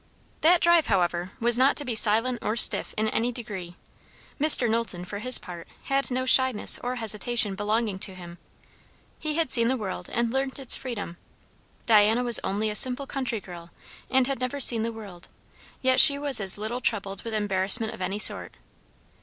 That drive, however, was not to be silent or stiff in any degree. Mr. Knowlton, for his part, had no shyness or hesitation belonging to him. He had seen the world and learnt its freedom. Diana was only a simple country girl, and had never seen the world; yet she was as little troubled with embarrassment of any sort.